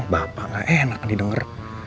bapak gak enak didenger